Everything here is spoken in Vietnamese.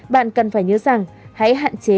bạn cần phải nhớ rằng hãy hạn chế